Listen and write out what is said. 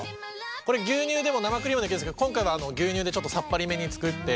これ牛乳でも生クリームでもいけるんですけど今回は牛乳でちょっとさっぱりめに作って。